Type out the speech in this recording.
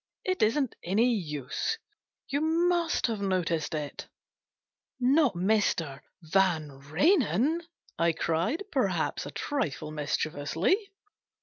" It isn't any use. You must have noticed it." " Not Mr. Varirenen !" I cried, perhaps just a trifle mischievously.